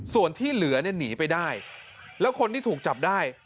ส่วนที่เหลือเนี่ยหนีไปได้แล้วคนที่ถูกจับได้